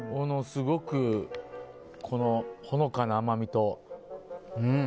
すごく、このほのかな甘みと。